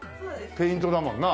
ペイントだもんな。